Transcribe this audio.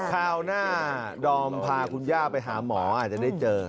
คราวหน้าดอมพาคุณย่าไปหาหมออาจจะได้เจอ